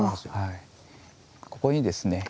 ここにですね